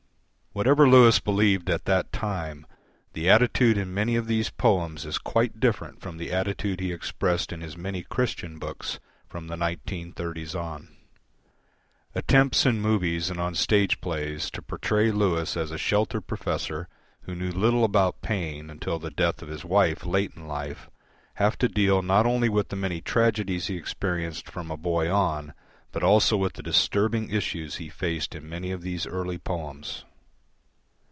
Whatever Lewis believed at that time, the attitude in many of these poems is quite different from the attitude he expressed in his many Christian books from the 1930s on. Attempts in movies and on stage plays to portray Lewis as a sheltered professor who knew little about pain until the death of his wife late in life, have to deal not only with the many tragedies he experienced from a boy on, but also with the disturbing issues he faced in many of these early poems.